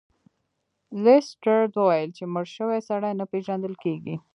لیسټرډ وویل چې مړ شوی سړی نه پیژندل کیږي.